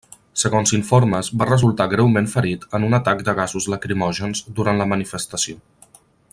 Segons informes, va resultar greument ferit en un atac de gasos lacrimògens durant la manifestació.